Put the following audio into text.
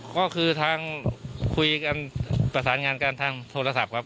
ก็คือทางคุยกันประสานงานกันทางโทรศัพท์ครับ